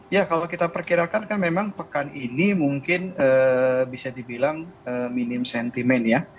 ya kalau kita perkirakan kan memang pekan ini mungkin bisa dibilang minim sentimen ya